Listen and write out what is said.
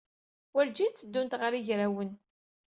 Werǧin tteddunt ɣer yigrawen.